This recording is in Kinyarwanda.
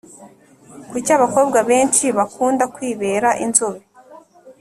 Kuki abakobwa benshi bakunda kwibera inzobe